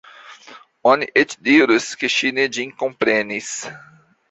Oni eĉ dirus, ke ŝi ne ĝin komprenis.